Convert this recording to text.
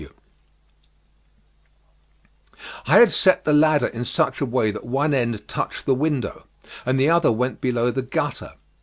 D.W.] I had set the ladder in such a way that one end touched the window, and the other went below the gutter.